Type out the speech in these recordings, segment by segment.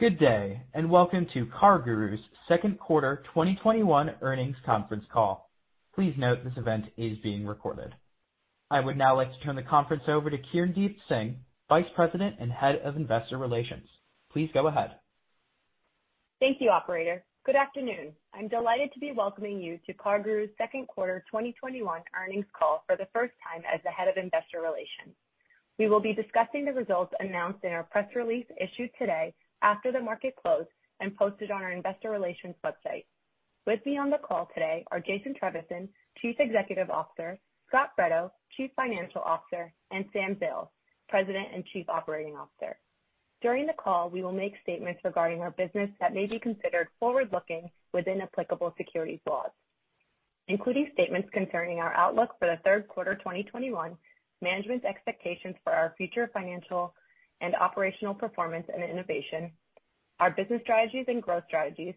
Good day, and welcome to CarGurus' second quarter 2021 earnings conference call. Please note this event is being recorded. I would now like to turn the conference over to Kirndeep Singh, Vice President and Head of Investor Relations. Please go ahead. Thank you, operator. Good afternoon. I'm delighted to be welcoming you to CarGurus' second quarter 2021 earnings call for the first time as the Head of Investor Relations. We will be discussing the results announced in our press release issued today after the market closed and posted on our investor relations website. With me on the call today are Jason Trevisan, Chief Executive Officer, Scot Fredo, Chief Financial Officer, and Sam Zales, President and Chief Operating Officer. During the call, we will make statements regarding our business that may be considered forward-looking within applicable securities laws, including statements concerning our outlook for the third quarter 2021, management's expectations for our future financial and operational performance and innovation, our business strategies and growth strategies,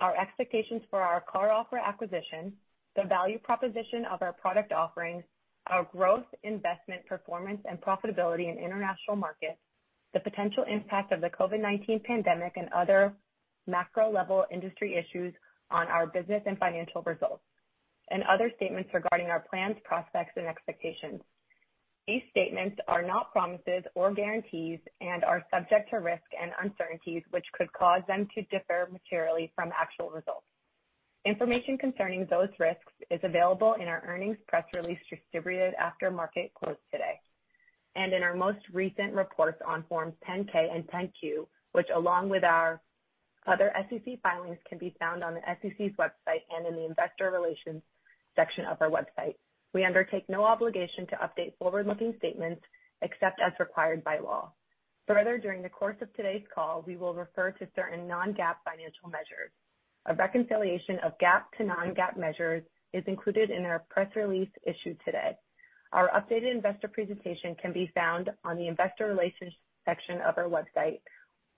our expectations for our CarOffer acquisition, the value proposition of our product offerings, our growth, investment performance, and profitability in international markets, the potential impact of the COVID-19 pandemic and other macro-level industry issues on our business and financial results, and other statements regarding our plans, prospects, and expectations. These statements are not promises or guarantees and are subject to risk and uncertainties which could cause them to differ materially from actual results. Information concerning those risks is available in our earnings press release distributed after market close today, and in our most recent reports on forms 10-K and 10-Q, which along with our other SEC filings, can be found on the SEC's website and in the investor relations section of our website. We undertake no obligation to update forward-looking statements except as required by law. Further, during the course of today's call, we will refer to certain non-GAAP financial measures. A reconciliation of GAAP to non-GAAP measures is included in our press release issued today. Our updated investor presentation can be found on the investor relations section of our website.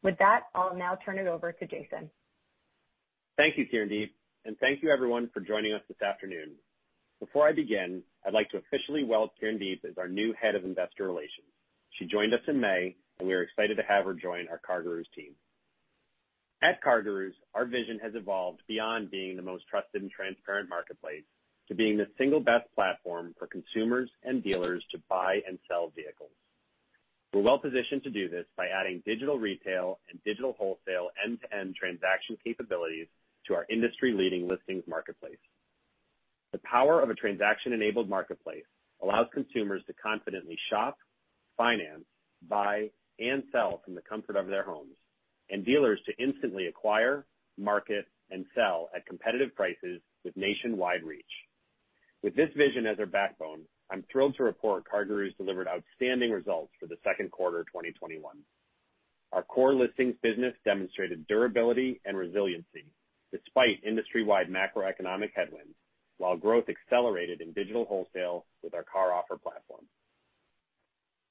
With that, I'll now turn it over to Jason. Thank you, Kirndeep, and thank you everyone for joining us this afternoon. Before I begin, I'd like to officially welcome Kirndeep as our new Head of Investor Relations. She joined us in May, and we are excited to have her join our CarGurus team. At CarGurus, our vision has evolved beyond being the most trusted and transparent marketplace to being the one best platform for consumers and dealers to buy and sell vehicles. We're well-positioned to do this by adding digital retail and digital wholesale end-to-end transaction capabilities to our industry-leading listings marketplace. The power of a transaction-enabled marketplace allows consumers to confidently shop, finance, buy, and sell from the comfort of their homes, and dealers to instantly acquire, market, and sell at competitive prices with nationwide reach. With this vision as our backbone, I'm thrilled to report CarGurus delivered outstanding results for the second quarter of 2021. Our core listings business demonstrated durability and resiliency despite industry-wide macroeconomic headwinds, while growth accelerated in digital wholesale with our CarOffer platform.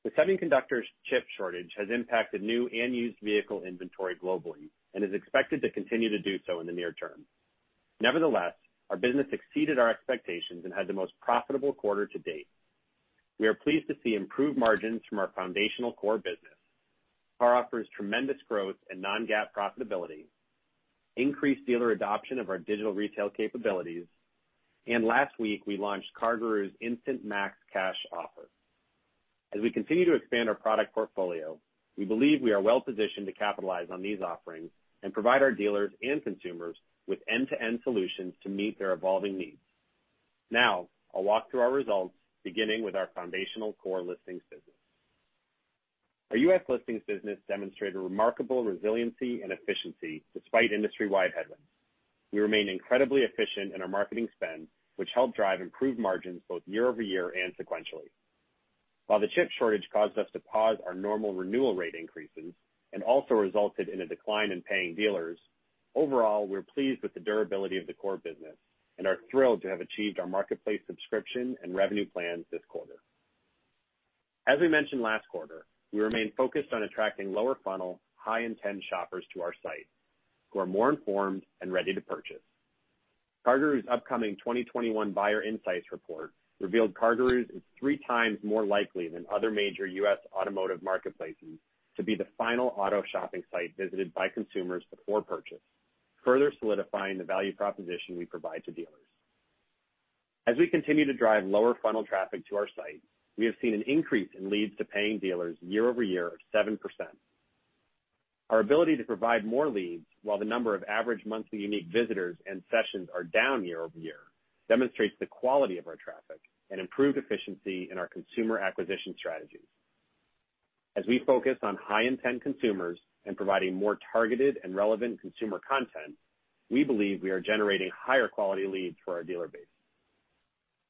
The semiconductor chip shortage has impacted new and used vehicle inventory globally and is expected to continue to do so in the near term. Nevertheless, our business exceeded our expectations and had the most profitable quarter to date. We are pleased to see improved margins from our foundational core business. CarOffer's tremendous growth and non-GAAP profitability, increased dealer adoption of our digital retail capabilities, and last week, we launched CarGurus Instant Max Cash Offer. As we continue to expand our product portfolio, we believe we are well positioned to capitalize on these offerings and provide our dealers and consumers with end-to-end solutions to meet their evolving needs. Now, I'll walk through our results, beginning with our foundational core listings business. Our U.S. listings business demonstrated remarkable resiliency and efficiency despite industry-wide headwinds. We remain incredibly efficient in our marketing spend, which helped drive improved margins both year-over-year and sequentially. While the chip shortage caused us to pause our normal renewal rate increases and also resulted in a decline in paying dealers, overall, we're pleased with the durability of the core business and are thrilled to have achieved our marketplace subscription and revenue plans this quarter. As we mentioned last quarter, we remain focused on attracting lower funnel, high-intent shoppers to our site who are more informed and ready to purchase. CarGurus' upcoming 2021 Buyer Insight Report revealed CarGurus is three times more likely than other major U.S. automotive marketplaces to be the final auto shopping site visited by consumers before purchase, further solidifying the value proposition we provide to dealers. As we continue to drive lower-funnel traffic to our site, we have seen an increase in leads to paying dealers year-over-year of 7%. Our ability to provide more leads while the number of average monthly unique visitors and sessions are down year-over-year demonstrates the quality of our traffic and improved efficiency in our consumer acquisition strategies. As we focus on high-intent consumers and providing more targeted and relevant consumer content, we believe we are generating higher quality leads for our dealer base.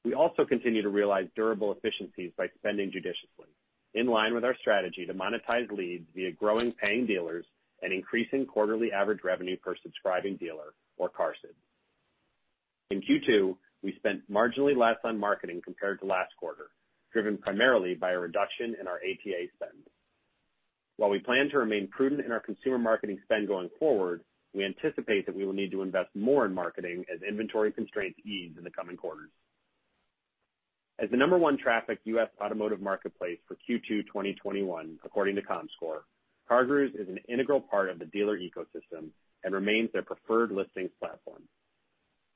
We also continue to realize durable efficiencies by spending judiciously, in line with our strategy to monetize leads via growing paying dealers and increasing quarterly average revenue per subscribing dealer, or QARSD. In Q2, we spent marginally less on marketing compared to last quarter, driven primarily by a reduction in our ATA spend. While we plan to remain prudent in our consumer marketing spend going forward, we anticipate that we will need to invest more in marketing as inventory constraints ease in the coming quarters. As the number one traffic U.S. automotive marketplace for Q2 2021 according to Comscore, CarGurus is an integral part of the dealer ecosystem and remains their preferred listings platform.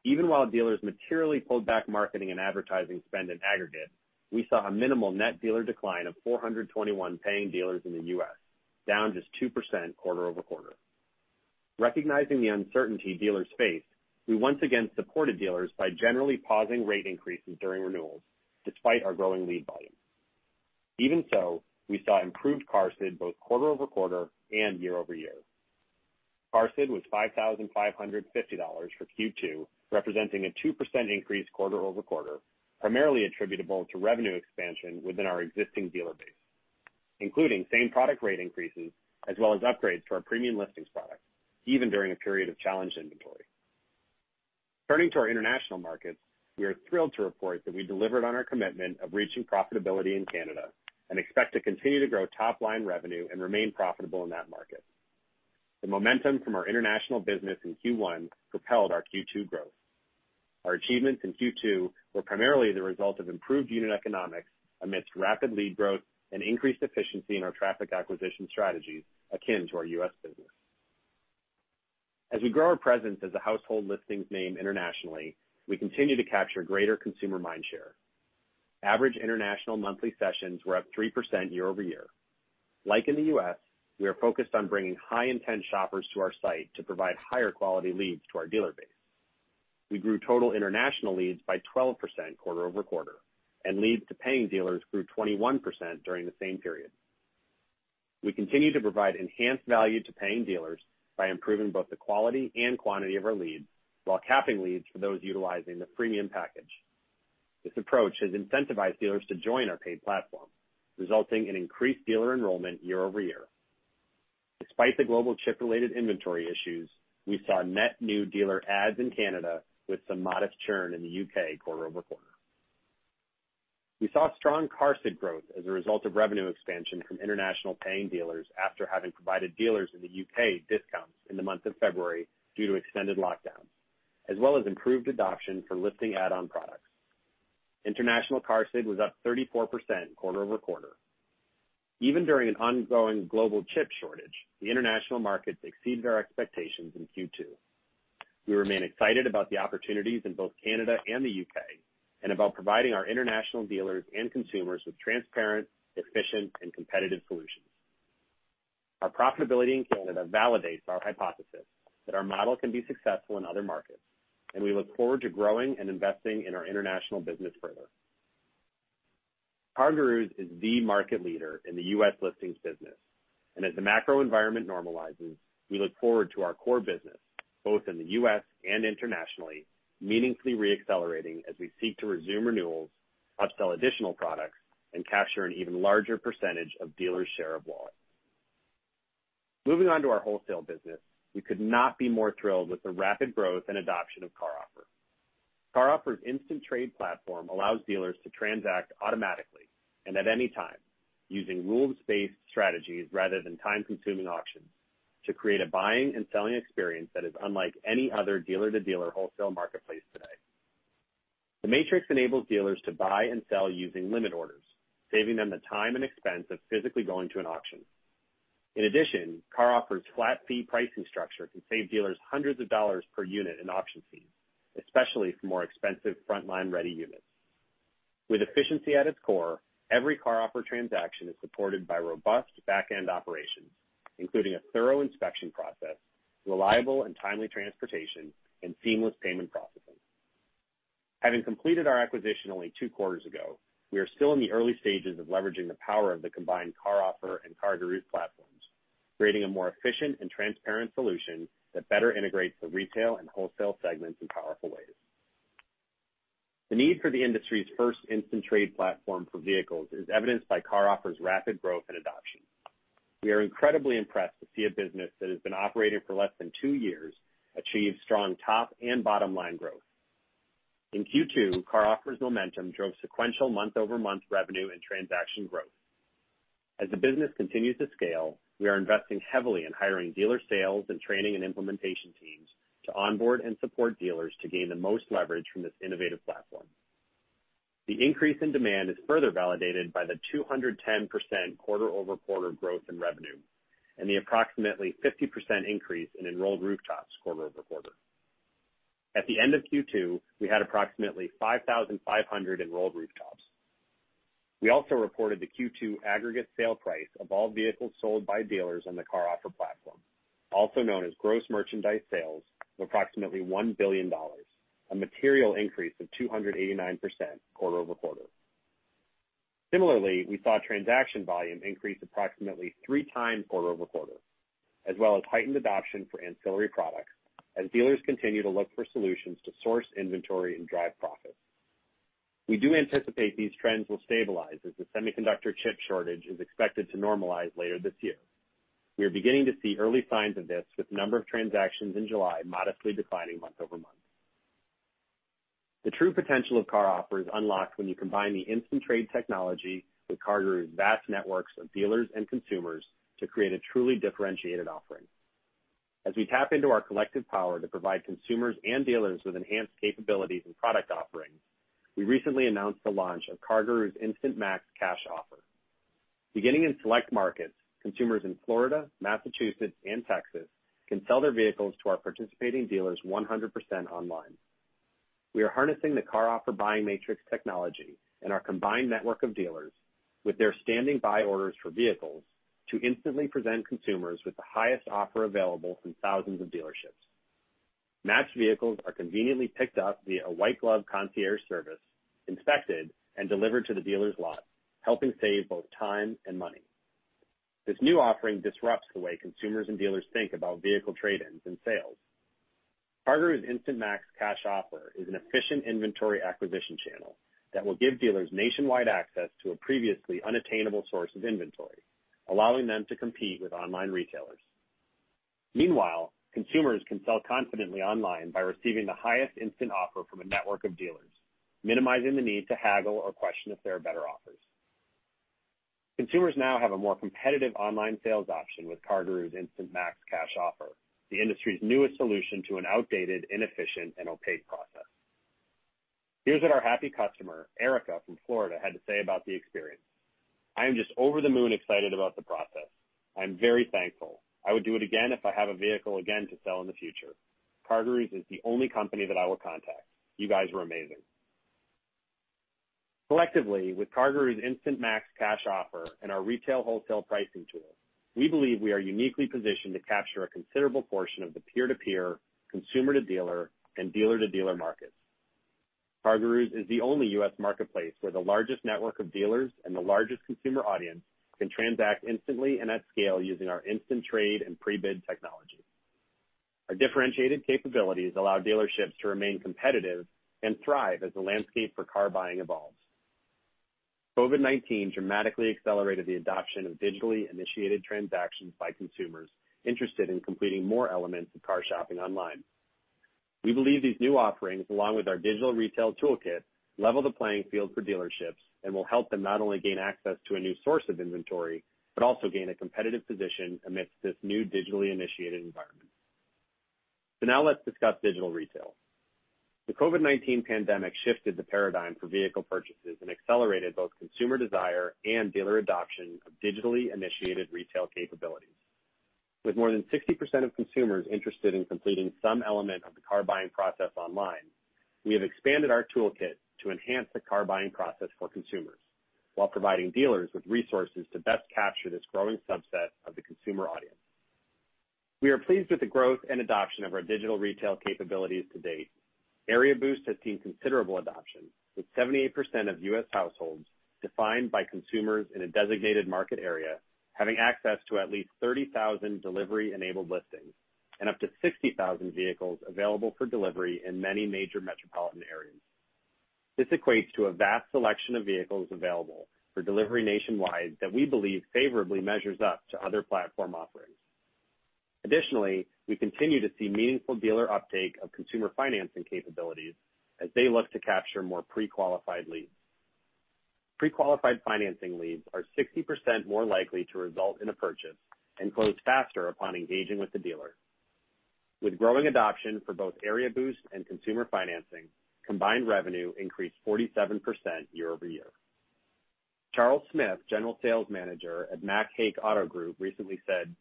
Even while dealers materially pulled back marketing and advertising spend in aggregate, we saw a minimal net dealer decline of 421 paying dealers in the U.S., down just 2% quarter-over-quarter. Recognizing the uncertainty dealers face, we once again supported dealers by generally pausing rate increases during renewals despite our growing lead volume. Even so, we saw improved QARSD both quarter-over-quarter and year-over-year. QARSD was 5,550 for Q2, representing a 2% increase quarter-over-quarter, primarily attributable to revenue expansion within our existing dealer base, including same product rate increases, as well as upgrades to our premium listings products, even during a period of challenged inventory. Turning to our international markets, we are thrilled to report that we delivered on our commitment of reaching profitability in Canada, and expect to continue to grow top-line revenue and remain profitable in that market. The momentum from our international business in Q1 propelled our Q2 growth. Our achievements in Q2 were primarily the result of improved unit economics amidst rapid lead growth and increased efficiency in our traffic acquisition strategies akin to our U.S. business. As we grow our presence as a household listings name internationally, we continue to capture greater consumer mind share. Average international monthly sessions were up 3% year-over-year. Like in the U.S., we are focused on bringing high-intent shoppers to our site to provide higher quality leads to our dealer base. We grew total international leads by 12% quarter-over-quarter, and leads to paying dealers grew 21% during the same period. We continue to provide enhanced value to paying dealers by improving both the quality and quantity of our leads, while capping leads for those utilizing the premium package. This approach has incentivized dealers to join our paid platform, resulting in increased dealer enrollment year-over-year. Despite the global chip-related inventory issues, we saw net new dealer adds in Canada with some modest churn in the U.K. quarter-over-quarter. We saw strong QARSD growth as a result of revenue expansion from international paying dealers after having provided dealers in the U.K. discounts in the month of February due to extended lockdown, as well as improved adoption for listing add-on products. International QARSD was up 34% quarter-over-quarter. Even during an ongoing global chip shortage, the international markets exceeded our expectations in Q2. We remain excited about the opportunities in both Canada and the U.K., and about providing our international dealers and consumers with transparent, efficient, and competitive solutions. Our profitability in Canada validates our hypothesis that our model can be successful in other markets, and we look forward to growing and investing in our international business further. CarGurus is the market leader in the U.S. listings business, and as the macro environment normalizes, we look forward to our core business, both in the U.S. and internationally, meaningfully re-accelerating as we seek to resume renewals, upsell additional products, and capture an even larger percentage of dealers' share of wallet. Moving on to our wholesale business, we could not be more thrilled with the rapid growth and adoption of CarOffer. CarOffer's Instant Trade platform allows dealers to transact automatically and at any time using rules-based strategies rather than time-consuming auctions to create a buying and selling experience that is unlike any other dealer-to-dealer wholesale marketplace today. The Matrix enables dealers to buy and sell using limit orders, saving them the time and expense of physically going to an auction. In addition, CarOffer's flat fee pricing structure can save dealers hundreds of dollars per unit in auction fees, especially for more expensive frontline-ready units. With efficiency at its core, every CarOffer transaction is supported by robust back-end operations, including a thorough inspection process, reliable and timely transportation, and seamless payment processing. Having completed our acquisition only two quarters ago, we are still in the early stages of leveraging the power of the combined CarOffer and CarGurus platforms, creating a more efficient and transparent solution that better integrates the retail and wholesale segments in powerful ways. The need for the industry's first Instant Trade platform for vehicles is evidenced by CarOffer's rapid growth and adoption. We are incredibly impressed to see a business that has been operating for less than two years achieve strong top and bottom-line growth. In Q2, CarOffer's momentum drove sequential month-over-month revenue and transaction growth. As the business continues to scale, we are investing heavily in hiring dealer sales and training and implementation teams to onboard and support dealers to gain the most leverage from this innovative platform. The increase in demand is further validated by the 210% quarter-over-quarter growth in revenue and the approximately 50% increase in enrolled rooftops quarter-over-quarter. At the end of Q2, we had approximately 5,500 enrolled rooftops. We also reported the Q2 aggregate sale price of all vehicles sold by dealers on the CarOffer platform, also known as gross merchandise sales, of approximately $1 billion, a material increase of 289% quarter-over-quarter. Similarly, we saw transaction volume increase approximately three times quarter-over-quarter, as well as heightened adoption for ancillary products as dealers continue to look for solutions to source inventory and drive profits. We do anticipate these trends will stabilize as the semiconductor chip shortage is expected to normalize later this year. We are beginning to see early signs of this, with the number of transactions in July modestly declining month-over-month. The true potential of CarOffer is unlocked when you combine the Instant Trade technology with CarGurus' vast networks of dealers and consumers to create a truly differentiated offering. As we tap into our collective power to provide consumers and dealers with enhanced capabilities and product offerings, we recently announced the launch of CarGurus Instant Max Cash Offer. Beginning in select markets, consumers in Florida, Massachusetts, and Texas can sell their vehicles to our participating dealers 100% online. We are harnessing the CarOffer Buying Matrix technology and our combined network of dealers with their standing buy orders for vehicles to instantly present consumers with the highest offer available from thousands of dealerships. Matched vehicles are conveniently picked up via a white glove concierge service, inspected, and delivered to the dealer's lot, helping save both time and money. This new offering disrupts the way consumers and dealers think about vehicle trade-ins and sales. CarGurus Instant Max Cash Offer is an efficient inventory acquisition channel that will give dealers nationwide access to a previously unattainable source of inventory, allowing them to compete with online retailers. Meanwhile, consumers can sell confidently online by receiving the highest instant offer from a network of dealers, minimizing the need to haggle or question if there are better offers. Consumers now have a more competitive online sales option with CarGurus Instant Max Cash Offer, the industry's newest solution to an outdated, inefficient, and opaque process. Here's what our happy customer, Erica from Florida, had to say about the experience. "I am just over the moon excited about the process. I'm very thankful. I would do it again if I have a vehicle again to sell in the future. CarGurus is the only company that I will contact. You guys were amazing." Collectively, with CarGurus Instant Max Cash Offer and our retail wholesale pricing tool, we believe we are uniquely positioned to capture a considerable portion of the peer-to-peer, consumer-to-dealer, and dealer-to-dealer markets. CarGurus is the only U.S. Marketplace where the largest network of dealers and the largest consumer audience can transact instantly and at scale using our Instant Trade and pre-bid technology. Our differentiated capabilities allow dealerships to remain competitive and thrive as the landscape for car buying evolves. COVID-19 dramatically accelerated the adoption of digitally initiated transactions by consumers interested in completing more elements of car shopping online. We believe these new offerings, along with our digital retail toolkit, level the playing field for dealerships and will help them not only gain access to a new source of inventory, but also gain a competitive position amidst this new digitally initiated environment. Now let's discuss digital retail. The COVID-19 pandemic shifted the paradigm for vehicle purchases and accelerated both consumer desire and dealer adoption of digitally initiated retail capabilities. With more than 60% of consumers interested in completing some element of the car buying process online, we have expanded our toolkit to enhance the car buying process for consumers while providing dealers with resources to best capture this growing subset of the consumer audience. We are pleased with the growth and adoption of our digital retail capabilities to date. Area Boost has seen considerable adoption, with 78% of U.S. households defined by consumers in a designated market area having access to at least 30,000 delivery-enabled listings and up to 60,000 vehicles available for delivery in many major metropolitan areas. This equates to a vast selection of vehicles available for delivery nationwide that we believe favorably measures up to other platform offerings. Additionally, we continue to see meaningful dealer uptake of consumer financing capabilities as they look to capture more pre-qualified leads. Pre-qualified financing leads are 60% more likely to result in a purchase and close faster upon engaging with the dealer. With growing adoption for both Area Boost and consumer financing, combined revenue increased 47% year-over-year. Charles Smith, general sales manager at Mac Haik Auto Group, recently said,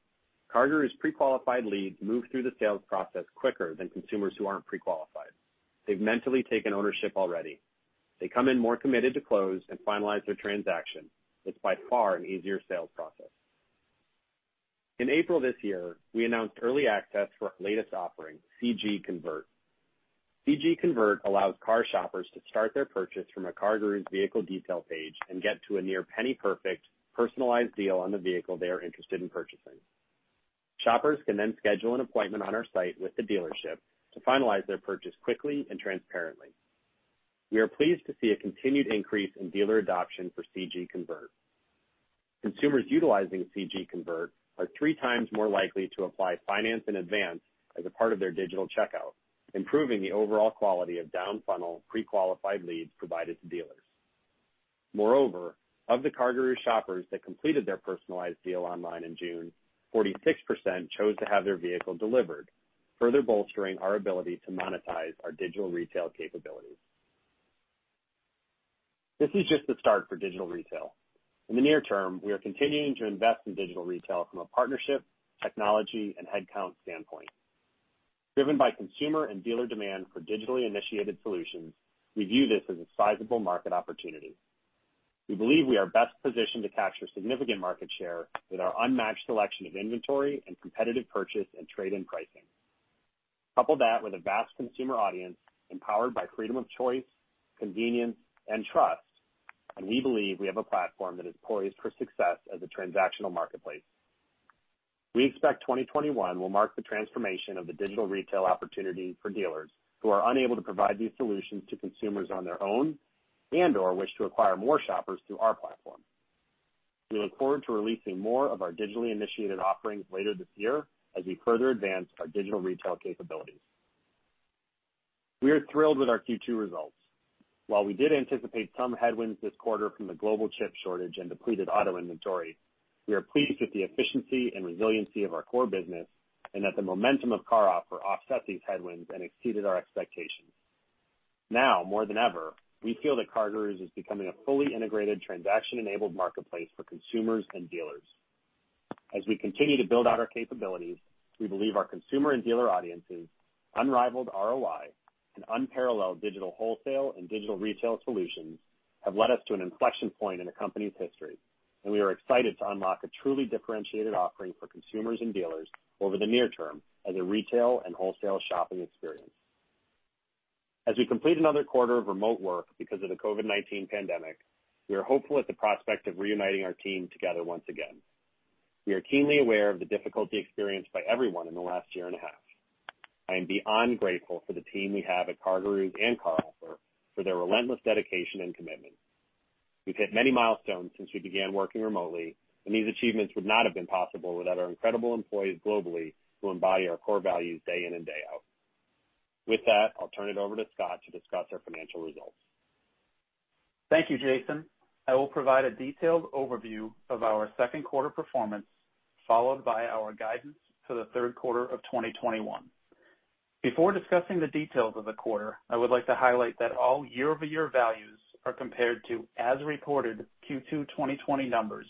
"CarGurus pre-qualified leads move through the sales process quicker than consumers who aren't pre-qualified. They've mentally taken ownership already. They come in more committed to close and finalize their transaction. It's by far an easier sales process." In April this year, we announced early access for our latest offering, CG Convert. CG Convert allows car shoppers to start their purchase from a CarGurus vehicle detail page and get to a near penny-perfect personalized deal on the vehicle they are interested in purchasing. Shoppers can then schedule an appointment on our site with the dealership to finalize their purchase quickly and transparently. We are pleased to see a continued increase in dealer adoption for CG Convert. Consumers utilizing CG Convert are three times more likely to apply finance in advance as a part of their digital checkout, improving the overall quality of down-funnel pre-qualified leads provided to dealers. Moreover, of the CarGurus shoppers that completed their personalized deal online in June, 46% chose to have their vehicle delivered, further bolstering our ability to monetize our digital retail capabilities. This is just the start for digital retail. In the near term, we are continuing to invest in digital retail from a partnership, technology, and headcount standpoint. Driven by consumer and dealer demand for digitally initiated solutions, we view this as a sizable market opportunity. We believe we are best positioned to capture significant market share with our unmatched selection of inventory and competitive purchase and trade-in pricing. Couple that with a vast consumer audience empowered by freedom of choice, convenience, and trust, we believe we have a platform that is poised for success as a transactional marketplace. We expect 2021 will mark the transformation of the digital retail opportunity for dealers who are unable to provide these solutions to consumers on their own and/or wish to acquire more shoppers through our platform. We look forward to releasing more of our digitally initiated offerings later this year as we further advance our digital retail capabilities. We are thrilled with our Q2 results. While we did anticipate some headwinds this quarter from the global chip shortage and depleted auto inventory, we are pleased with the efficiency and resiliency of our core business and that the momentum of CarOffer offset these headwinds and exceeded our expectations. Now more than ever, we feel that CarGurus is becoming a fully integrated transaction-enabled marketplace for consumers and dealers. As we continue to build out our capabilities, we believe our consumer and dealer audiences, unrivaled ROI, and unparalleled digital wholesale and digital retail solutions have led us to an inflection point in the company's history, and we are excited to unlock a truly differentiated offering for consumers and dealers over the near term as a retail and wholesale shopping experience. As we complete another quarter of remote work because of the COVID-19 pandemic, we are hopeful at the prospect of reuniting our team together once again. We are keenly aware of the difficulty experienced by everyone in the last year and a half. I am beyond grateful for the team we have at CarGurus and CarOffer for their relentless dedication and commitment. We've hit many milestones since we began working remotely. These achievements would not have been possible without our incredible employees globally who embody our core values day in and day out. With that, I'll turn it over to Scot to discuss our financial results. Thank you, Jason. I will provide a detailed overview of our second quarter performance, followed by our guidance for the third quarter of 2021. Before discussing the details of the quarter, I would like to highlight that all year-over-year values are compared to as reported Q2 2020 numbers,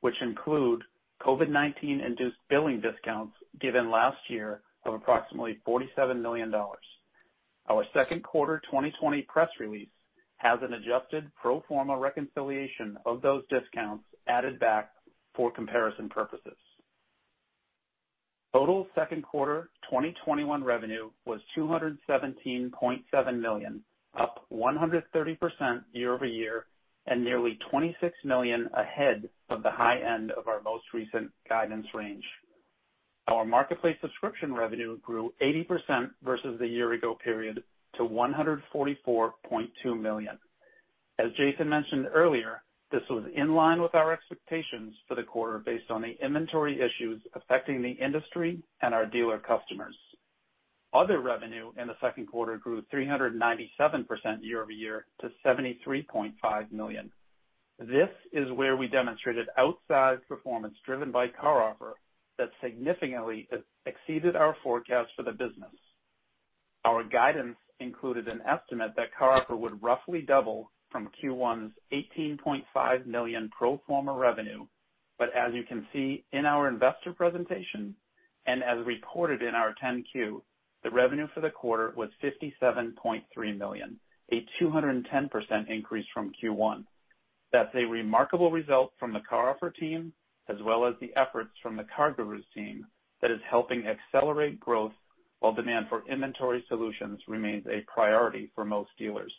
which include COVID-19 induced billing discounts given last year of approximately $47 million. Our second quarter 2020 press release has an adjusted pro forma reconciliation of those discounts added back for comparison purposes. Total second quarter 2021 revenue was $217.7 million, up 130% year-over-year and nearly $26 million ahead of the high end of our most recent guidance range. Our marketplace subscription revenue grew 80% versus the year ago period to $144.2 million. As Jason mentioned earlier, this was in line with our expectations for the quarter based on the inventory issues affecting the industry and our dealer customers. Other revenue in the second quarter grew 397% year-over-year to $73.5 million. This is where we demonstrated outsized performance driven by CarOffer that significantly exceeded our forecast for the business. Our guidance included an estimate that CarOffer would roughly double from Q1's $18.5 million pro forma revenue. As you can see in our investor presentation and as reported in our 10-Q, the revenue for the quarter was $57.3 million, a 210% increase from Q1. That's a remarkable result from the CarOffer team, as well as the efforts from the CarGurus team that is helping accelerate growth while demand for inventory solutions remains a priority for most dealers.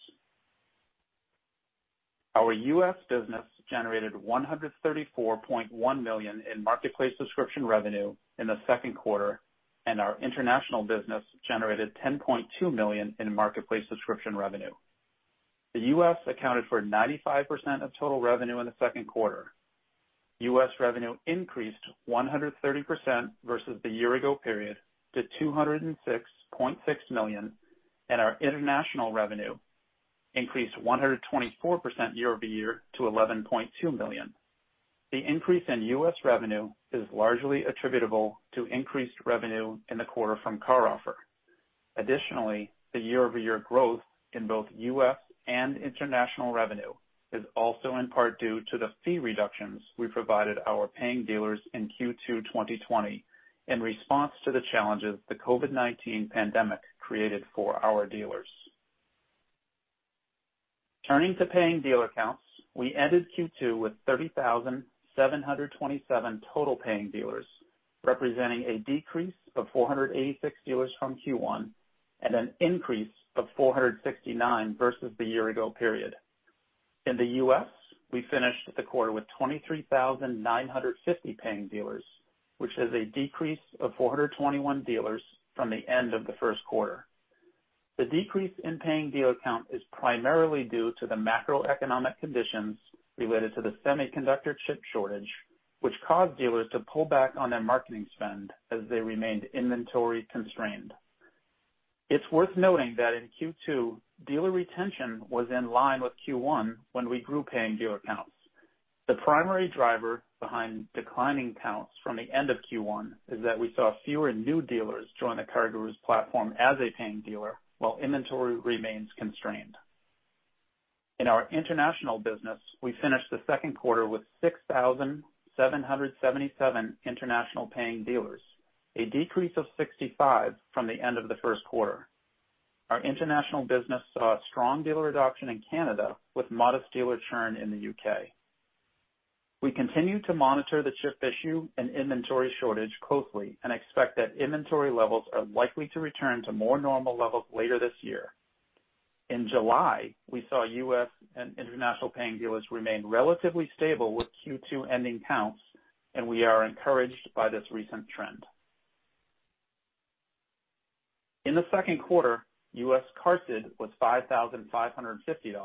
Our U.S. business generated $134.1 million in marketplace subscription revenue in the second quarter, and our international business generated $10.2 million in marketplace subscription revenue. The U.S. accounted for 95% of total revenue in the second quarter. U.S. revenue increased 130% versus the year ago period to $206.6 million, and our international revenue increased 124% year-over-year to $11.2 million. The increase in U.S. revenue is largely attributable to increased revenue in the quarter from CarOffer. Additionally, the year-over-year growth in both U.S. and international revenue is also in part due to the fee reductions we provided our paying dealers in Q2 2020 in response to the challenges the COVID-19 pandemic created for our dealers. Turning to paying dealer counts, we ended Q2 with 30,727 total paying dealers, representing a decrease of 486 dealers from Q1 and an increase of 469 versus the year ago period. In the U.S., we finished the quarter with 23,950 paying dealers, which is a decrease of 421 dealers from the end of the first quarter. The decrease in paying dealer count is primarily due to the macroeconomic conditions related to the semiconductor chip shortage, which caused dealers to pull back on their marketing spend as they remained inventory constrained. It's worth noting that in Q2, dealer retention was in line with Q1 when we grew paying dealer counts. The primary driver behind declining counts from the end of Q1 is that we saw fewer new dealers join the CarGurus platform as a paying dealer while inventory remains constrained. In our international business, we finished the second quarter with 6,777 international paying dealers, a decrease of 65 from the end of the first quarter. Our international business saw strong dealer adoption in Canada with modest dealer churn in the U.K. We continue to monitor the chip issue and inventory shortage closely and expect that inventory levels are likely to return to more normal levels later this year. In July, we saw U.S. and international paying dealers remain relatively stable with Q2 ending counts, and we are encouraged by this recent trend. In the second quarter, U.S. QARSD was 5,550,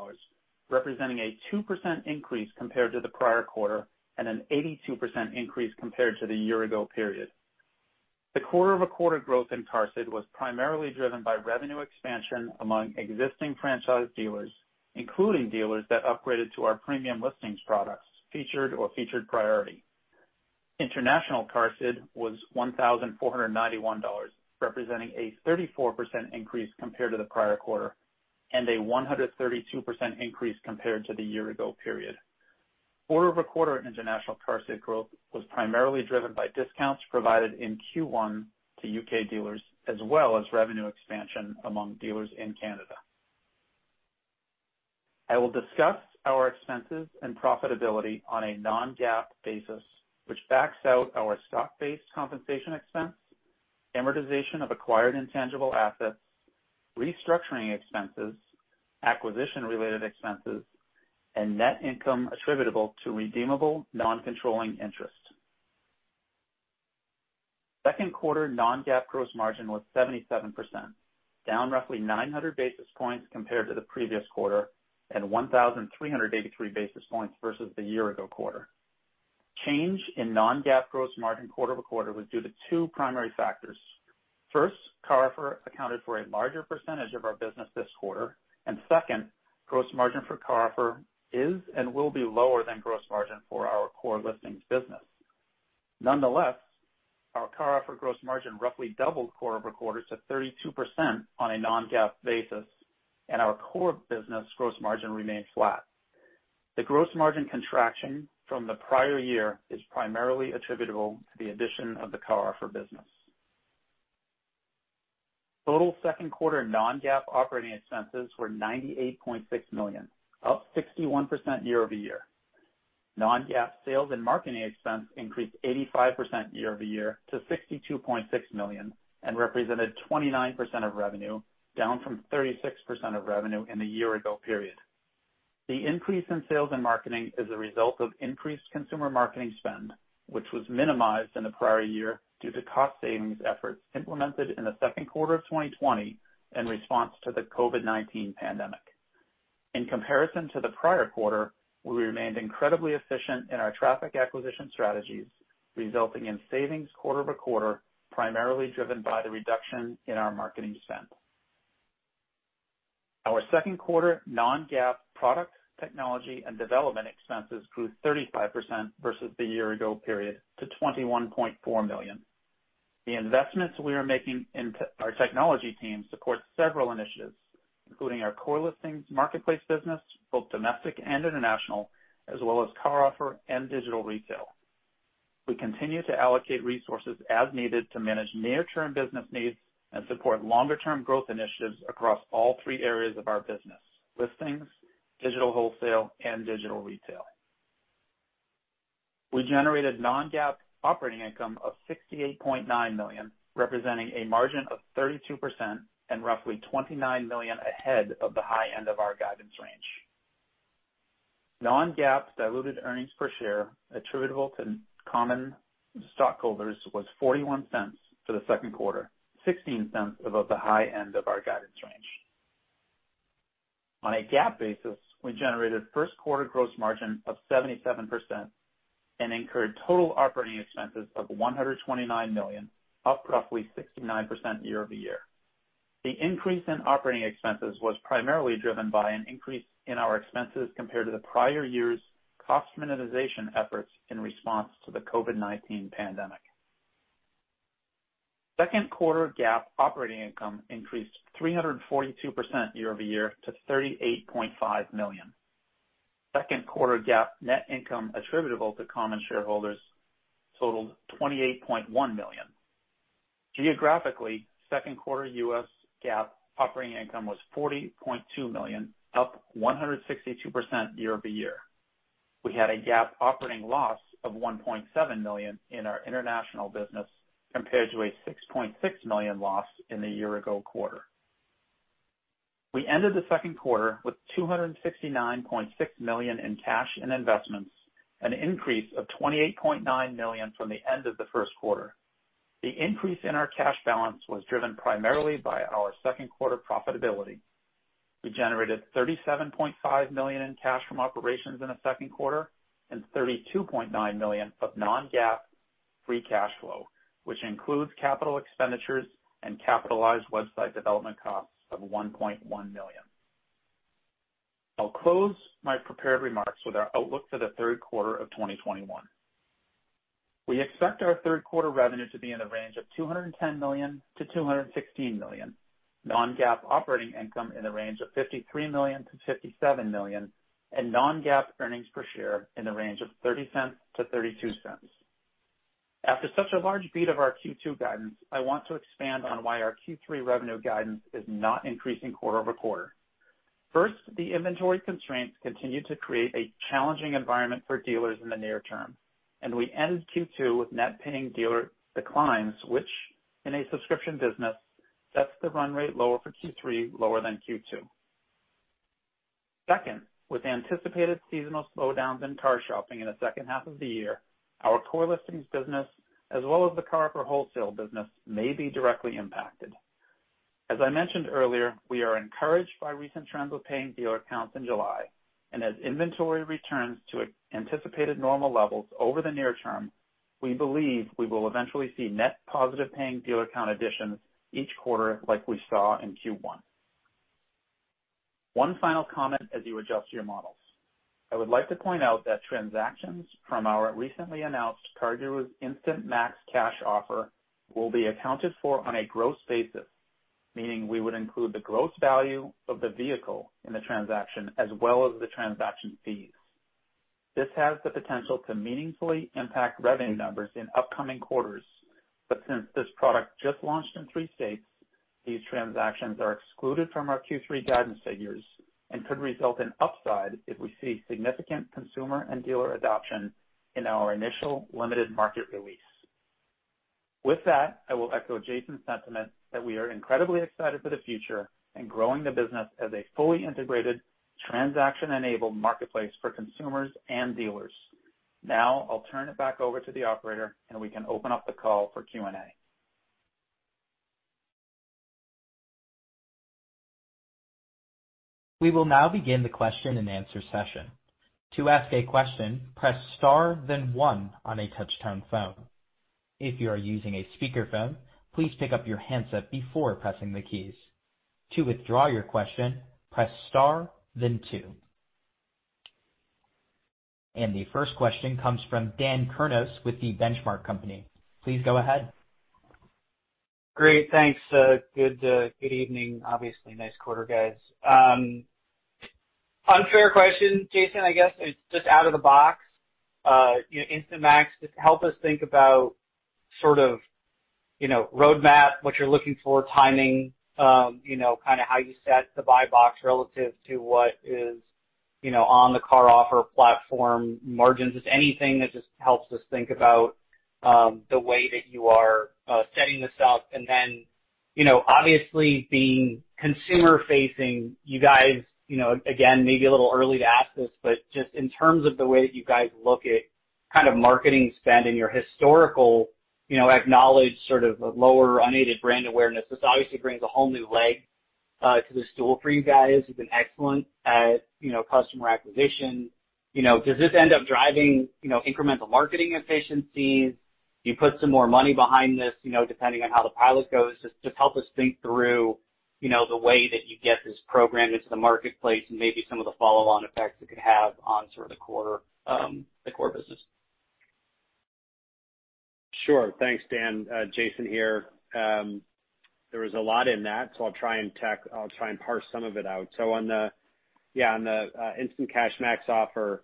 representing a 2% increase compared to the prior quarter and an 82% increase compared to the year ago period. The quarter-over-quarter growth in QARSD was primarily driven by revenue expansion among existing franchise dealers, including dealers that upgraded to our premium listings products, Featured or Featured Priority. International QARSD was 1,491, representing a 34% increase compared to the prior quarter, and a 132% increase compared to the year ago period. Quarter-over-quarter international QARSD growth was primarily driven by discounts provided in Q1 to U.K. dealers, as well as revenue expansion among dealers in Canada. I will discuss our expenses and profitability on a non-GAAP basis, which backs out our stock-based compensation expense, amortization of acquired intangible assets, restructuring expenses, acquisition-related expenses, and net income attributable to redeemable non-controlling interest. Second quarter non-GAAP gross margin was 77%, down roughly 900 basis points compared to the previous quarter, and 1,383 basis points versus the year-ago quarter. Change in non-GAAP gross margin quarter-over-quarter was due to two primary factors. First, CarOffer accounted for a larger percentage of our business this quarter, and second, gross margin for CarOffer is and will be lower than gross margin for our core listings business. Nonetheless, our CarOffer gross margin roughly doubled quarter-over-quarter to 32% on a non-GAAP basis, and our core business gross margin remained flat. The gross margin contraction from the prior year is primarily attributable to the addition of the CarOffer business. Total second quarter non-GAAP operating expenses were $98.6 million, up 61% year-over-year. Non-GAAP sales and marketing expense increased 85% year-over-year to $62.6 million and represented 29% of revenue, down from 36% of revenue in the year ago period. The increase in sales and marketing is a result of increased consumer marketing spend, which was minimized in the prior year due to cost savings efforts implemented in the second quarter of 2020 in response to the COVID-19 pandemic. In comparison to the prior quarter, we remained incredibly efficient in our traffic acquisition strategies, resulting in savings quarter-over-quarter, primarily driven by the reduction in our marketing spend. Our second quarter non-GAAP product, technology and development expenses grew 35% versus the year-ago period to $21.4 million. The investments we are making in our technology team support several initiatives, including our core listings marketplace business, both domestic and international, as well as CarOffer and digital retail. We continue to allocate resources as needed to manage near-term business needs and support longer-term growth initiatives across all three areas of our business, listings, digital wholesale, and digital retail. We generated non-GAAP operating income of $68.9 million, representing a margin of 32% and roughly $29 million ahead of the high end of our guidance range. Non-GAAP diluted earnings per share attributable to common stockholders was $0.41 for the second quarter, $0.16 above the high end of our guidance range. On a GAAP basis, we generated first quarter gross margin of 77% and incurred total operating expenses of $129 million, up roughly 69% year-over-year. The increase in operating expenses was primarily driven by an increase in our expenses compared to the prior year's cost minimization efforts in response to the COVID-19 pandemic. Second quarter GAAP operating income increased 342% year-over-year to $38.5 million. Second quarter GAAP net income attributable to common shareholders totaled $28.1 million. Geographically, second quarter U.S. GAAP operating income was $40.2 million, up 162% year-over-year. We had a GAAP operating loss of $1.7 million in our international business, compared to a $6.6 million loss in the year ago quarter. We ended the second quarter with $269.6 million in cash and investments, an increase of $28.9 million from the end of the first quarter. The increase in our cash balance was driven primarily by our second quarter profitability. We generated $37.5 million in cash from operations in the second quarter and $32.9 million of non-GAAP free cash flow, which includes capital expenditures and capitalized website development costs of $1.1 million. I'll close my prepared remarks with our outlook for the third quarter of 2021. We expect our third quarter revenue to be in the range of $210 million-$216 million, non-GAAP operating income in the range of $53 million-$57 million, and non-GAAP earnings per share in the range of $0.30-$0.32. After such a large beat of our Q2 guidance, I want to expand on why our Q3 revenue guidance is not increasing quarter-over-quarter. First, the inventory constraints continue to create a challenging environment for dealers in the near term. We ended Q2 with net paying dealer declines, which, in a subscription business, sets the run rate lower for Q3 than Q2. Second, with anticipated seasonal slowdowns in car shopping in the second half of the year, our core listings business, as well as the CarOffer wholesale business, may be directly impacted. I mentioned earlier, we are encouraged by recent trends with paying dealer accounts in July. As inventory returns to anticipated normal levels over the near term, we believe we will eventually see net positive paying dealer account additions each quarter, like we saw in Q1. One final comment as you adjust your models. I would like to point out that transactions from our recently announced CarGurus Instant Max Cash Offer will be accounted for on a gross basis, meaning we would include the gross value of the vehicle in the transaction as well as the transaction fees. This has the potential to meaningfully impact revenue numbers in upcoming quarters, but since this product just launched in three states, these transactions are excluded from our Q3 guidance figures and could result in upside if we see significant consumer and dealer adoption in our initial limited market release. With that, I will echo Jason's sentiment that we are incredibly excited for the future and growing the business as a fully integrated transaction-enabled marketplace for consumers and dealers. Now, I'll turn it back over to the operator and we can open up the call for Q&A. We will now begin the question and answer session. To ask a question, press star, then one on a touch-tone phone. If you are using a speakerphone, please pick up your handset before pressing the keys. To withdraw your question, press star, then two. The first question comes from Dan Kurnos with The Benchmark Company. Please go ahead. Great. Thanks. Good evening. Obviously, nice quarter, guys. Unfair question, Jason, I guess it's just out of the box. Instant Max, just help us think about sort of roadmap, what you're looking for, timing, how you set the buy box relative to what is on the CarOffer platform margins. Anything that just helps us think about the way that you are setting this up. Obviously being consumer-facing, you guys, again, may be a little early to ask this, but just in terms of the way that you guys look at kind of marketing spend and your historical acknowledged sort of lower unaided brand awareness, this obviously brings a whole new leg to the stool for you guys. You've been excellent at customer acquisition. Does this end up driving incremental marketing efficiencies? Do you put some more money behind this depending on how the pilot goes? Just help us think through the way that you get this program into the marketplace and maybe some of the follow-on effects it could have on sort of the core business. Sure. Thanks, Dan. Jason here. There was a lot in that, I'll try and parse some of it out. On the Instant Cash Max Offer,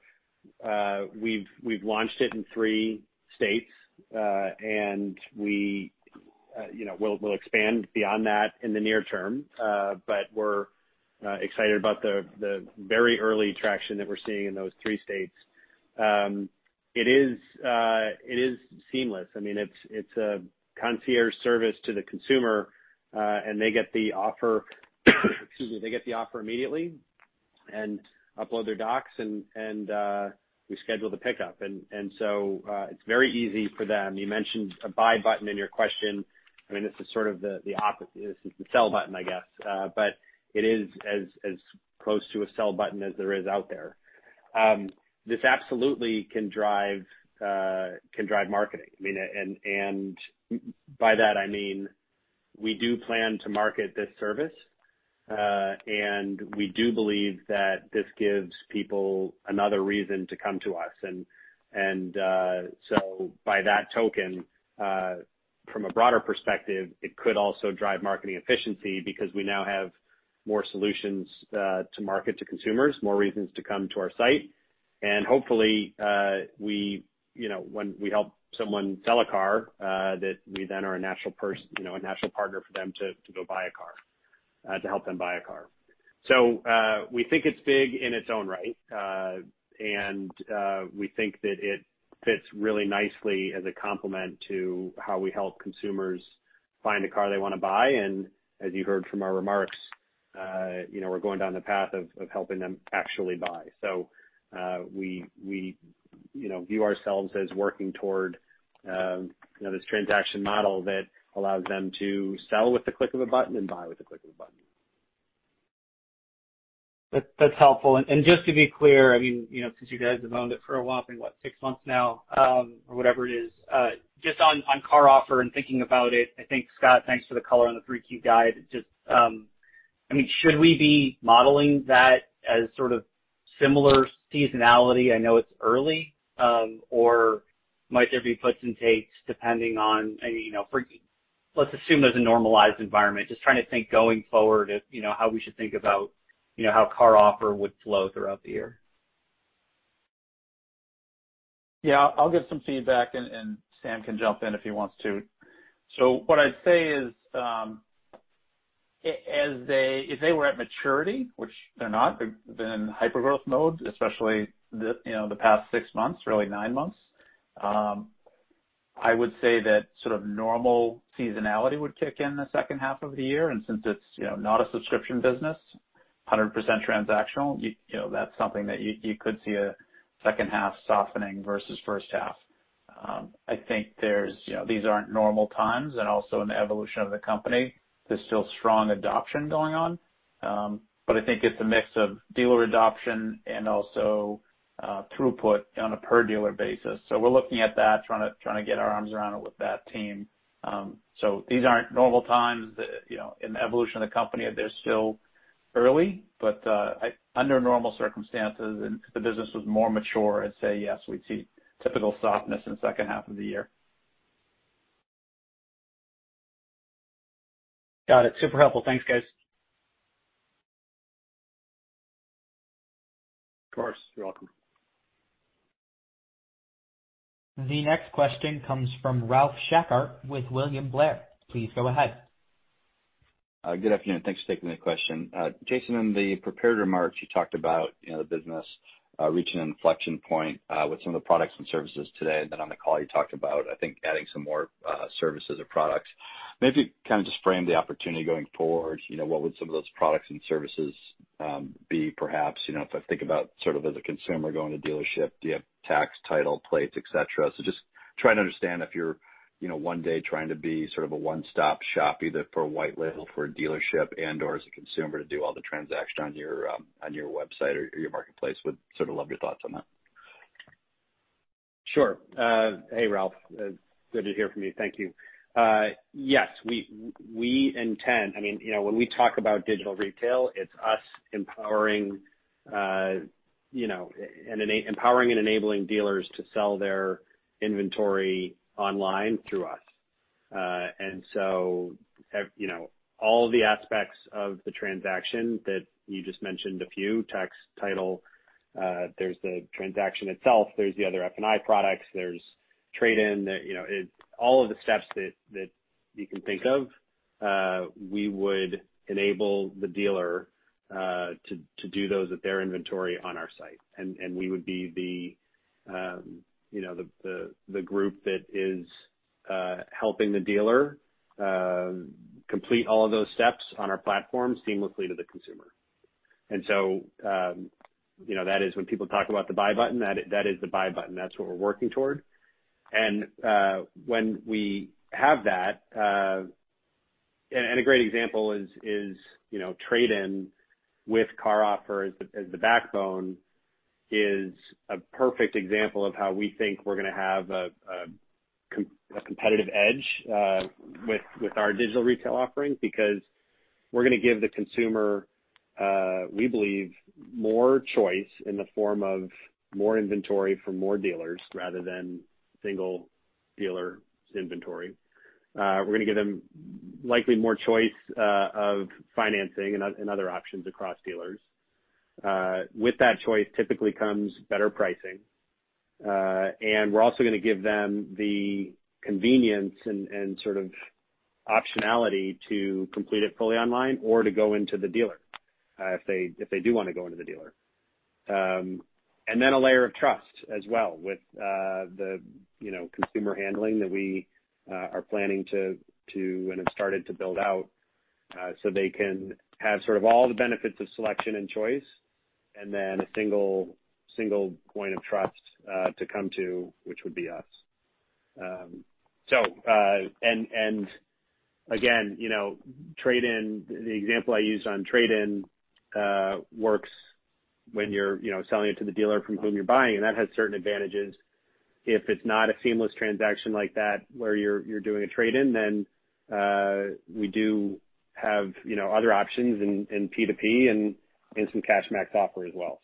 we've launched it in three states, we'll expand beyond that in the near term. We're excited about the very early traction that we're seeing in those three states. It is seamless. It's a concierge service to the consumer, they get the offer immediately, upload their docs, we schedule the pickup. It's very easy for them. You mentioned a buy button in your question. This is the sell button, I guess. It is as close to a sell button as there is out there. This absolutely can drive marketing. By that I mean we do plan to market this service, we do believe that this gives people another reason to come to us. By that token, from a broader perspective, it could also drive marketing efficiency because we now have more solutions to market to consumers, more reasons to come to our site. Hopefully, when we help someone sell a car, that we then are a natural partner for them to go buy a car, to help them buy a car. We think it's big in its own right. We think that it fits really nicely as a complement to how we help consumers find a car they want to buy. As you heard from our remarks, we're going down the path of helping them actually buy. We view ourselves as working toward this transaction model that allows them to sell with the click of a button and buy with the click of a button. That's helpful. Just to be clear, since you guys have owned it for a while, I think, what, six months now, or whatever it is, just on CarOffer and thinking about it, I think, Scot, thanks for the color on the 3Q guide. Should we be modeling that as sort of similar seasonality? I know it's early. Might there be puts and takes depending on, let's assume there's a normalized environment, just trying to think going forward how we should think about how CarOffer would flow throughout the year. Yeah. I'll give some feedback, and Sam can jump in if he wants to. What I'd say is, if they were at maturity, which they're not, they've been in hypergrowth mode, especially the past six months, really nine months, I would say that sort of normal seasonality would kick in the second half of the year. Since it's not a subscription business, 100% transactional, that's something that you could see a second half softening versus first half I think these aren't normal times, and also in the evolution of the company, there's still strong adoption going on. I think it's a mix of dealer adoption and also throughput on a per dealer basis. We're looking at that, trying to get our arms around it with that team. These aren't normal times. In the evolution of the company, they're still early, but under normal circumstances and if the business was more mature, I'd say yes, we'd see typical softness in the second half of the year. Got it. Super helpful. Thanks, guys. Of course. You're welcome. The next question comes from Ralph Schackart with William Blair. Please go ahead. Good afternoon. Thanks for taking the question. Jason, in the prepared remarks, you talked about the business reaching an inflection point with some of the products and services today. On the call you talked about, I think, adding some more services or products. Maybe kind of just frame the opportunity going forward. What would some of those products and services be perhaps, if I think about sort of as a consumer going to a dealership, do you have tax, title, plates, et cetera? Just trying to understand if you're one day trying to be sort of a one-stop shop, either for white label for a dealership and/or as a consumer to do all the transaction on your website or your marketplace. Would sort of love your thoughts on that. Sure. Hey, Ralph. Good to hear from you. Thank you. Yes, we intend, when we talk about digital retail, it's us empowering and enabling dealers to sell their inventory online through us. All the aspects of the transaction that you just mentioned a few, tax, title, there's the transaction itself, there's the other F&I products, there's trade-in. All of the steps that you can think of, we would enable the dealer to do those with their inventory on our site. We would be the group that is helping the dealer complete all of those steps on our platform seamlessly to the consumer. That is when people talk about the buy button, that is the buy button. That's what we're working toward. When we have that, and a great example is trade-in with CarOffer as the backbone is a perfect example of how we think we're going to have a competitive edge with our digital retail offerings, because we're going to give the consumer, we believe, more choice in the form of more inventory from more dealers rather than single dealer inventory. We're going to give them likely more choice of financing and other options across dealers. With that choice typically comes better pricing. We're also going to give them the convenience and sort of optionality to complete it fully online or to go into the dealer if they do want to go into the dealer. Then a layer of trust as well with the consumer handling that we are planning to and have started to build out so they can have sort of all the benefits of selection and choice, and then a single point of trust to come to, which would be us. Again the example I used on trade-in works when you're selling it to the dealer from whom you're buying, and that has certain advantages. If it's not a seamless transaction like that where you're doing a trade-in, then we do have other options in P2P and some Cash Max Offer as well.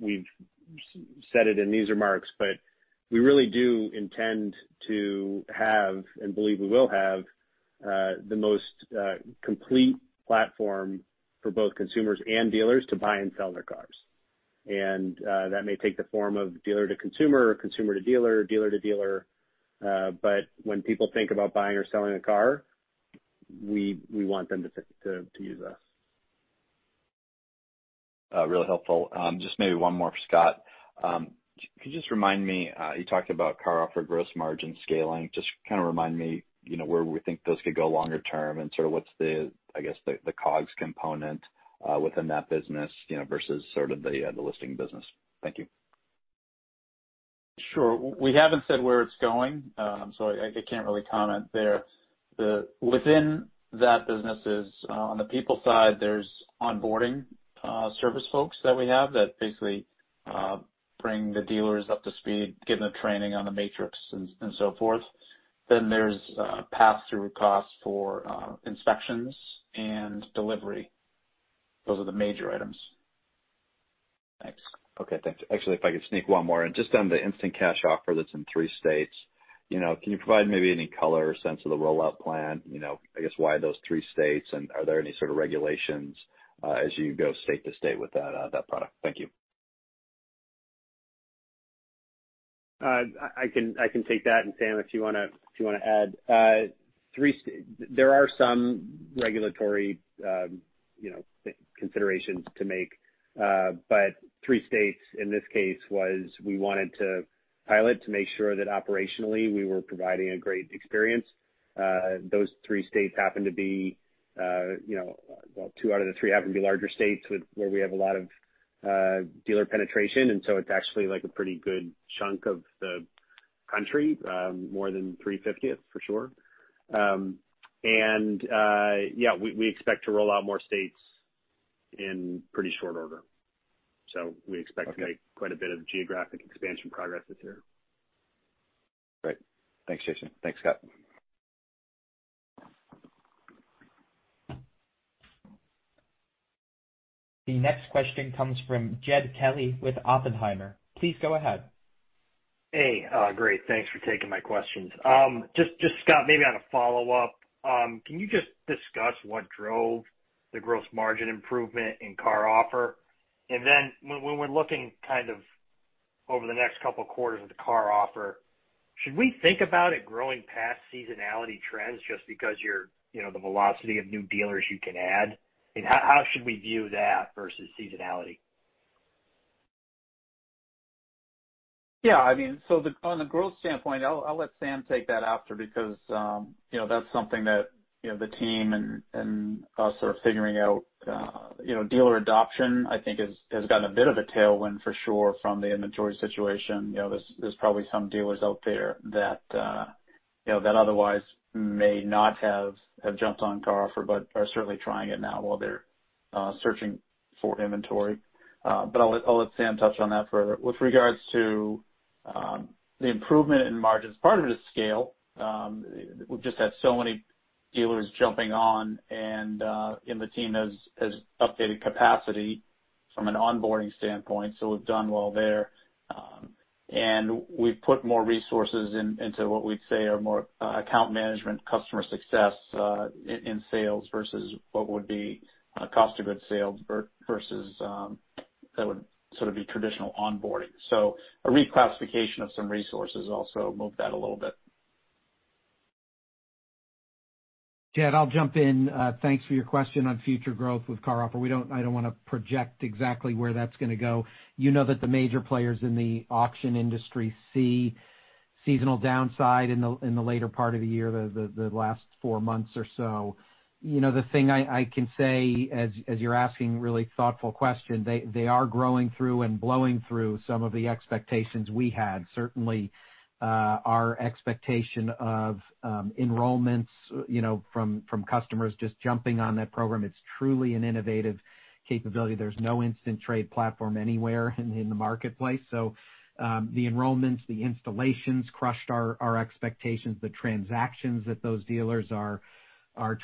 We've said it in these remarks, but we really do intend to have and believe we will have the most complete platform for both consumers and dealers to buy and sell their cars. That may take the form of dealer to consumer or consumer to dealer to dealer. When people think about buying or selling a car, we want them to use us. Really helpful. Just maybe one more for Scot. Could you just remind me, you talked about CarOffer gross margin scaling. Just kind of remind me where we think those could go longer term and sort of what's the, I guess, the COGS component within that business versus sort of the listing business. Thank you. Sure. We haven't said where it's going. I can't really comment there. Within that business is on the people side, there's onboarding service folks that we have that basically bring the dealers up to speed, give them training on the Matrix and so forth. There's pass-through costs for inspections and delivery. Those are the major items. Thanks. Okay, thanks. Actually, if I could sneak one more in. Just on the Instant Cash Offer that's in three states. Can you provide maybe any color or sense of the rollout plan? I guess why those three states. Are there any sort of regulations as you go state to state with that product? Thank you. I can take that, Sam, if you want to add. There are some regulatory considerations to make. Three states in this case was we wanted to pilot to make sure that operationally we were providing a great experience. Those three states happen to be, well, two out of the three happen to be larger states where we have a lot of dealer penetration, it's actually a pretty good chunk of the country, more than a three, for sure. Yes, we expect to roll out more states in pretty short order. We expect to make quite a bit of geographic expansion progress this year. Great. Thanks, Jason. Thanks, Scot. The next question comes from Jed Kelly with Oppenheimer. Please go ahead. Hey, great. Thanks for taking my questions. Just Scot, maybe on a follow-up, can you just discuss what drove the gross margin improvement in CarOffer? When we're looking over the next couple quarters of the CarOffer, should we think about it growing past seasonality trends just because the velocity of new dealers you can add? How should we view that versus seasonality? On the growth standpoint, I'll let Sam take that after because that's something that the team and us are figuring out. Dealer adoption, I think, has gotten a bit of a tailwind for sure from the inventory situation. There's probably some dealers out there that otherwise may not have jumped on CarOffer but are certainly trying it now while they're searching for inventory. I'll let Sam touch on that further. With regards to the improvement in margins, part of it is scale. We've just had so many dealers jumping on and the team has updated capacity from an onboarding standpoint, so we've done well there. We've put more resources into what we'd say are more account management customer success in sales versus what would be cost of goods sold versus that would sort of be traditional onboarding. A reclassification of some resources also moved that a little bit. Jed, I'll jump in. Thanks for your question on future growth with CarOffer. I don't want to project exactly where that's going to go. You know that the major players in the auction industry see seasonal downside in the later part of the year, the last four months or so. The thing I can say as you're asking really thoughtful questions, they are growing through and blowing through some of the expectations we had. Certainly, our expectation of enrollments from customers just jumping on that program. It's truly an innovative capability. There's no Instant Trade platform anywhere in the marketplace. The enrollments, the installations crushed our expectations. The transactions that those dealers are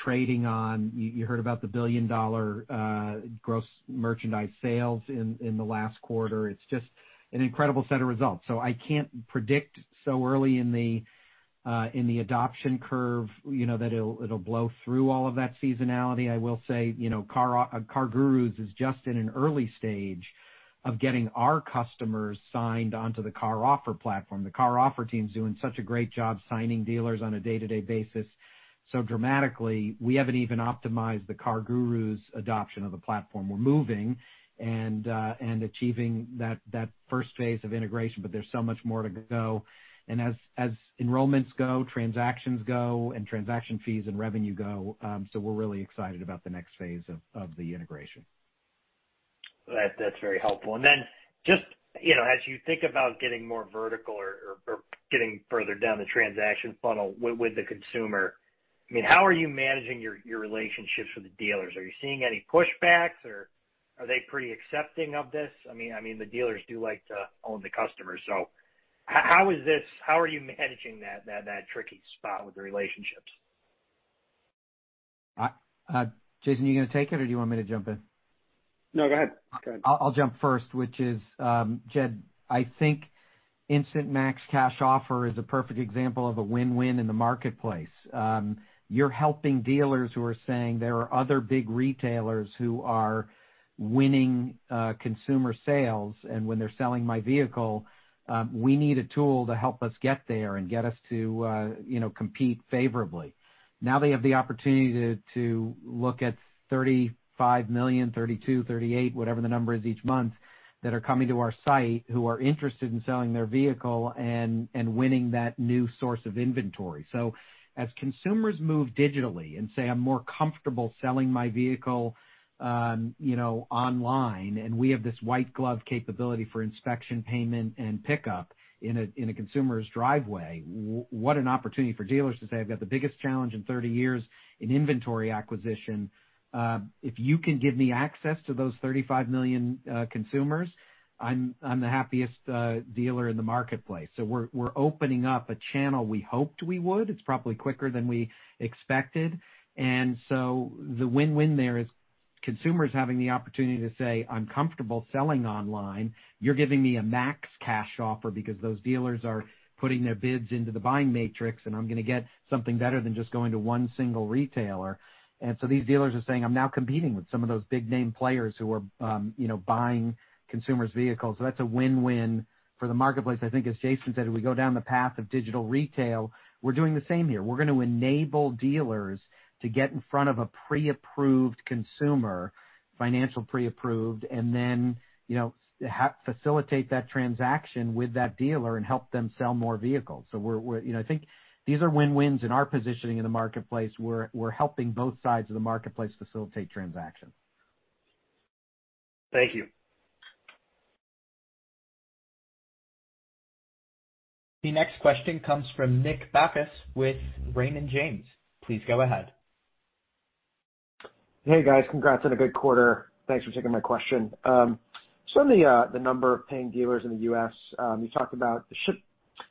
trading on. You heard about the $1 billion gross merchandise sales in the last quarter. It's just an incredible set of results. I can't predict so early in the adoption curve that it'll blow through all of that seasonality. I will say, CarGurus is just in an early stage of getting our customers signed onto the CarOffer platform. The CarOffer team's doing such a great job signing dealers on a day-to-day basis so dramatically. We haven't even optimized the CarGurus adoption of the platform. We're moving and achieving that first phase of integration, but there's so much more to go. As enrollments go, transactions go, and transaction fees and revenue go. We're really excited about the next phase of the integration. That's very helpful. Just as you think about getting more vertical or getting further down the transaction funnel with the consumer, how are you managing your relationships with the dealers? Are you seeing any pushbacks or are they pretty accepting of this? The dealers do like to own the customer. How are you managing that tricky spot with the relationships? Jason, are you going to take it or do you want me to jump in? No, go ahead. I'll jump first. Jed, I think Instant Max Cash Offer is a perfect example of a win-win in the marketplace. You're helping dealers who are saying there are other big retailers who are winning consumer sales and when they're selling my vehicle, we need a tool to help us get there and get us to compete favorably. Now they have the opportunity to look at 35 million, 32 million, 38 million, whatever the number is each month that are coming to our site who are interested in selling their vehicle and winning that new source of inventory. As consumers move digitally and say, "I'm more comfortable selling my vehicle online," and we have this white glove capability for inspection, payment, and pickup in a consumer's driveway, what an opportunity for dealers to say, "I've got the biggest challenge in 30 years in inventory acquisition. If you can give me access to those 35 million consumers, I'm the happiest dealer in the marketplace. We're opening up a channel we hoped we would. It's probably quicker than we expected. The win-win there is consumers having the opportunity to say, "I'm comfortable selling online. You're giving me a max cash offer because those dealers are putting their bids into the Buying Matrix, and I'm going to get something better than just going to 1 single retailer." These dealers are saying, "I'm now competing with some of those big name players who are buying consumers' vehicles." That's a win-win for the marketplace. I think as Jason said, we go down the path of digital retail, we're doing the same here. We're going to enable dealers to get in front of a pre-approved consumer, financial pre-approved, and then facilitate that transaction with that dealer and help them sell more vehicles. I think these are win-wins in our positioning in the marketplace. We're helping both sides of the marketplace facilitate transactions. Thank you. The next question comes from Nick Bacchus with Raymond James. Please go ahead. Hey, guys. Congrats on a good quarter. Thanks for taking my question. On the number of paying dealers in the U.S., you talked about the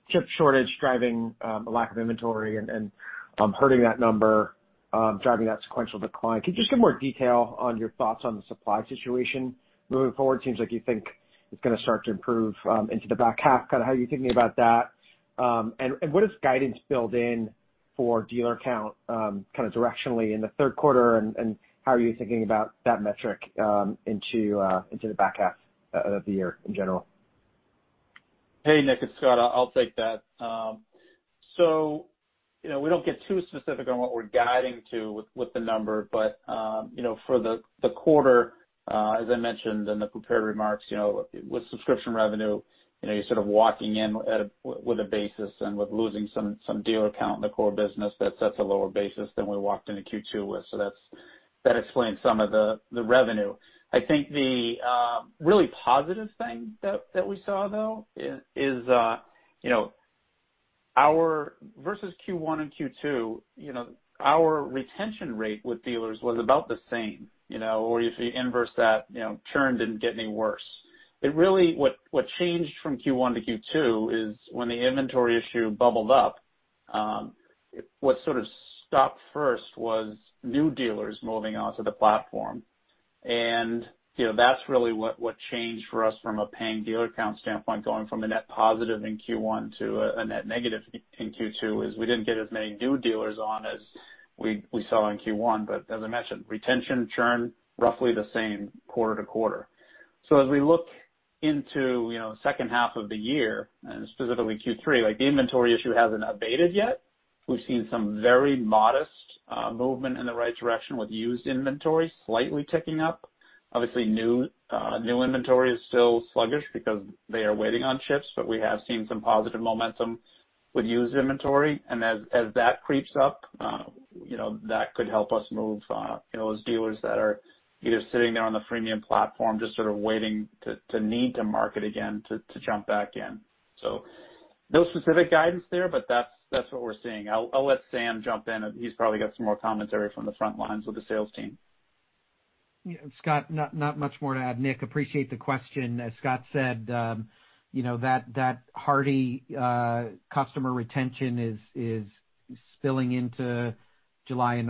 chip shortage driving a lack of inventory and hurting that number, driving that sequential decline. Could you just give more detail on your thoughts on the supply situation moving forward? Seems like you think it's going to start to improve into the back half. How are you thinking about that? What is guidance build in for dealer count directionally in the third quarter, and how are you thinking about that metric into the back half of the year in general? Hey, Nick. It's Scot. I'll take that. We don't get too specific on what we're guiding to with the number. For the quarter, as I mentioned in the prepared remarks, with subscription revenue, you're sort of walking in with a basis and with losing some dealer count in the core business. That sets a lower basis than we walked into Q2 with. That explains some of the revenue. I think the really positive thing that we saw, though, is versus Q1 and Q2, our retention rate with dealers was about the same. If you inverse that, churn didn't get any worse. What changed from Q1 to Q2 is when the inventory issue bubbled up, what sort of stopped first was new dealers moving onto the platform. That's really what changed for us from a paying dealer count standpoint, going from a net positive in Q1 to a net negative in Q2, is we didn't get as many new dealers on as we saw in Q1. As I mentioned, retention churn, roughly the same quarter-to-quarter. As we look into second half of the year, and specifically Q3, the inventory issue hasn't abated yet. We've seen some very modest movement in the right direction with used inventory slightly ticking up. Obviously, new inventory is still sluggish because they are waiting on chips. We have seen some positive momentum with used inventory. As that creeps up, that could help us move those dealers that are either sitting there on the freemium platform just sort of waiting to need to market again to jump back in. No specific guidance there, but that's what we're seeing. I'll let Sam jump in. He's probably got some more commentary from the front lines with the sales team. Yeah, Scot, not much more to add, Nick. Appreciate the question. As Scot said, that hearty customer retention is spilling into July and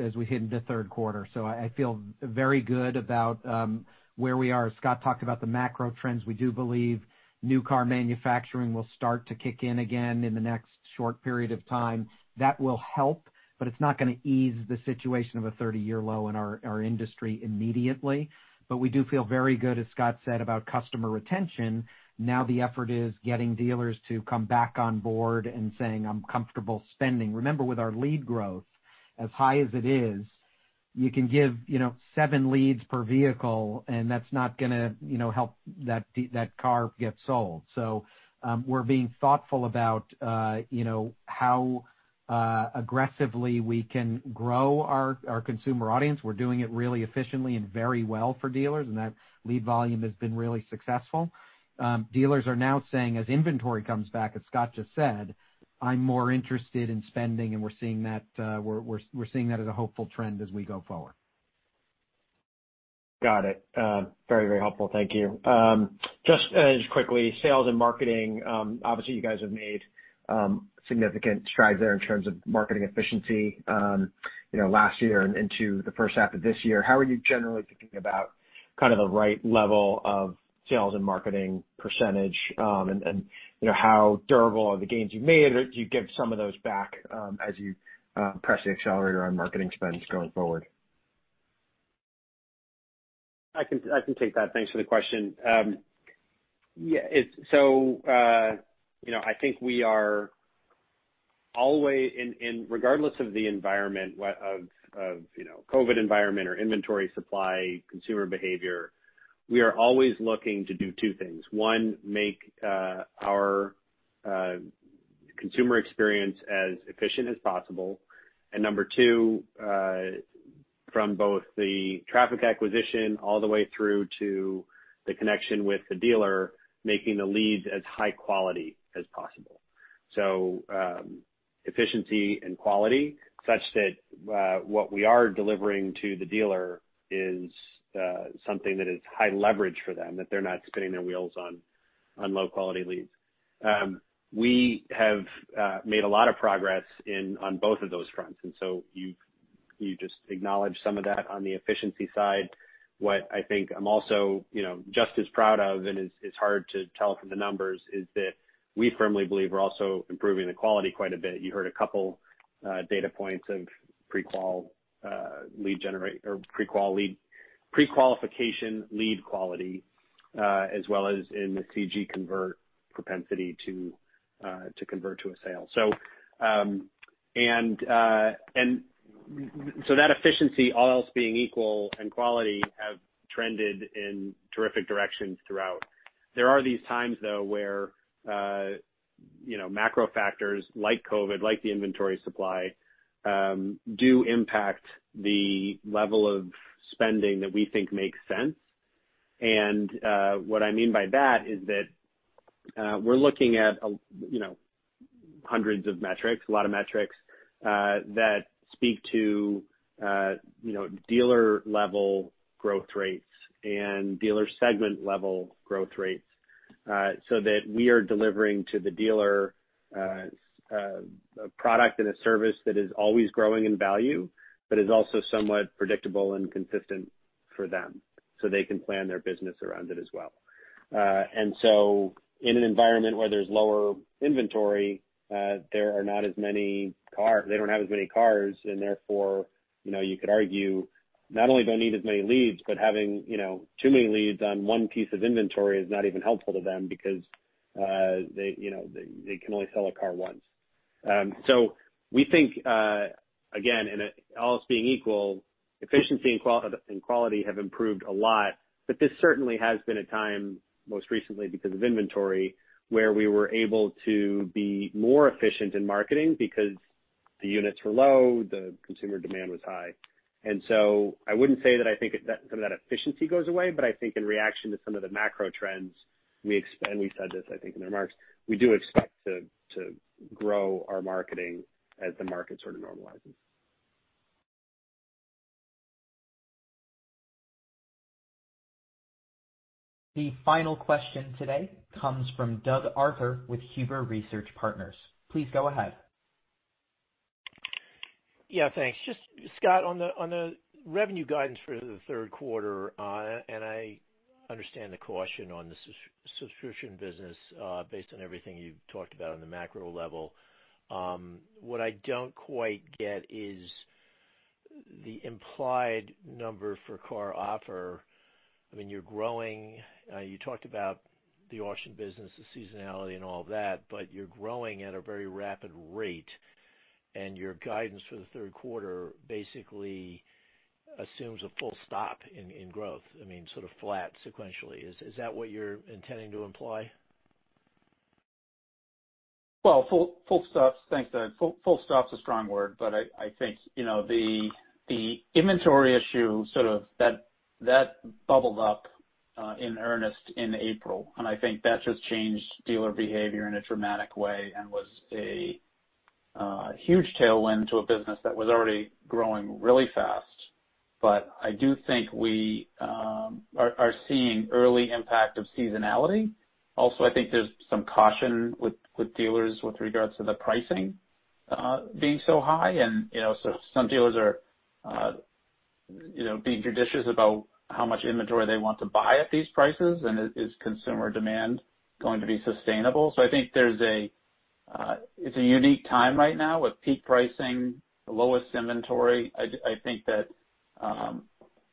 as we hit into third quarter. I feel very good about where we are. Scot talked about the macro trends. We do believe new car manufacturing will start to kick in again in the next short period of time. That will help, but it's not going to ease the situation of a 30-year low in our industry immediately. We do feel very good, as Scot said, about customer retention. Now the effort is getting dealers to come back on board and saying, "I'm comfortable spending." Remember, with our lead growth, as high as it is, you can give seven leads per vehicle, and that's not going to help that car get sold. We're being thoughtful about how aggressively we can grow our consumer audience. We're doing it really efficiently and very well for dealers, and that lead volume has been really successful. Dealers are now saying, as inventory comes back, as Scot just said, "I'm more interested in spending." We're seeing that as a hopeful trend as we go forward. Got it. Very helpful. Thank you. Just as quickly, sales and marketing. You guys have made significant strides there in terms of marketing efficiency last year and into the first half of this year. How are you generally thinking about kind of the right level of sales and marketing percentage, and how durable are the gains you made? Do you give some of those back as you press the accelerator on marketing spends going forward? I can take that. Thanks for the question. I think we are always, regardless of the environment, of COVID environment or inventory supply, consumer behavior, we are always looking to do two things. One, make our consumer experience as efficient as possible. Number two, from both the traffic acquisition all the way through to the connection with the dealer, making the leads as high quality as possible. Efficiency and quality such that what we are delivering to the dealer is something that is high leverage for them, that they're not spinning their wheels on low-quality leads. We have made a lot of progress on both of those fronts, you just acknowledged some of that on the efficiency side. What I think I'm also just as proud of, and it's hard to tell from the numbers, is that we firmly believe we're also improving the quality quite a bit. You heard a couple data points of pre-qualification lead quality, as well as in the CG Convert propensity to convert to a sale. That efficiency, all else being equal, and quality have trended in terrific directions throughout. There are these times, though, where macro factors like COVID, like the inventory supply, do impact the level of spending that we think makes sense. What I mean by that is that we're looking at hundreds of metrics, a lot of metrics, that speak to dealer-level growth rates and dealer segment-level growth rates, so that we are delivering to the dealer a product and a service that is always growing in value, but is also somewhat predictable and consistent for them, so they can plan their business around it as well. In an environment where there's lower inventory, they don't have as many cars and therefore, you could argue not only do I need as many leads, but having too many leads on one piece of inventory is not even helpful to them because they can only sell a car once. We think, again, and all else being equal, efficiency and quality have improved a lot. This certainly has been a time, most recently because of inventory, where we were able to be more efficient in marketing because the units were low, the consumer demand was high. I wouldn't say that I think some of that efficiency goes away. I think in reaction to some of the macro trends, and we said this, I think, in the remarks, we do expect to grow our marketing as the market sort of normalizes. The final question today comes from Doug Arthur with Huber Research Partners. Please go ahead. Yeah, thanks. Just, Scot, on the revenue guidance for the third quarter. I understand the caution on the subscription business based on everything you've talked about on the macro level. What I don't quite get is the implied number for CarOffer. You talked about the auction business, the seasonality, and all of that. You're growing at a very rapid rate, and your guidance for the third quarter basically assumes a full stop in growth. I mean, sort of flat sequentially. Is that what you're intending to imply? Well, thanks, Doug. Full stop is a strong word, but I think the inventory issue, that bubbled up in earnest in April, I think that just changed dealer behavior in a dramatic way and was a huge tailwind to a business that was already growing really fast. I do think we are seeing early impact of seasonality. Also, I think there's some caution with dealers with regards to the pricing being so high. Some dealers are being judicious about how much inventory they want to buy at these prices, and is consumer demand going to be sustainable? I think it's a unique time right now with peak pricing, the lowest inventory. I think that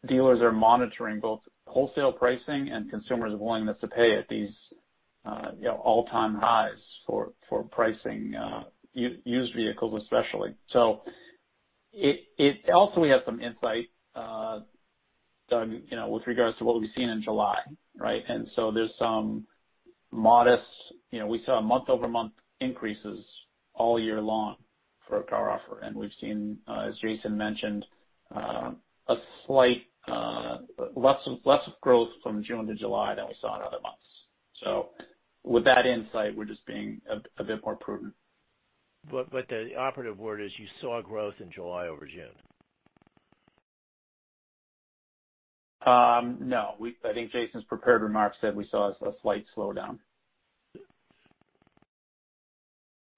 dealers are monitoring both wholesale pricing and consumers' willingness to pay at these all-time highs for pricing used vehicles especially. We have some insight, Doug, with regards to what we've seen in July, right? We saw month-over-month increases all year long for CarOffer. We've seen, as Jason mentioned, less of growth from June to July than we saw in other months. With that insight, we're just being a bit more prudent. The operative word is you saw growth in July over June. No. I think Jason's prepared remarks said we saw a slight slowdown.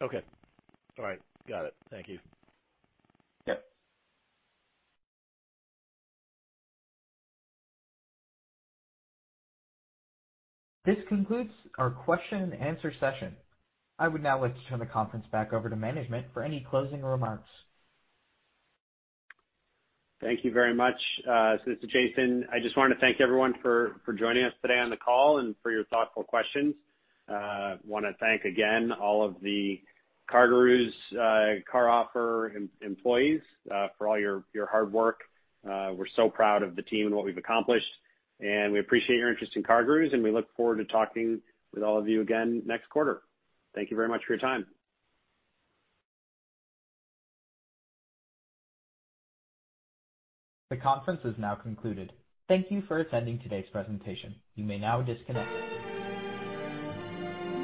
Okay. All right. Got it. Thank you. Yep. This concludes our question and answer session. I would now like to turn the conference back over to management for any closing remarks. Thank you very much. This is Jason. I just wanted to thank everyone for joining us today on the call and for your thoughtful questions. I want to thank again all of the CarGurus, CarOffer employees for all your hard work. We're so proud of the team and what we've accomplished, and we appreciate your interest in CarGurus, and we look forward to talking with all of you again next quarter. Thank you very much for your time. The conference is now concluded. Thank you for attending today's presentation. You may now disconnect.